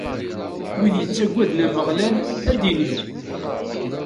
Wid yettaggaden Ameɣlal ad inin.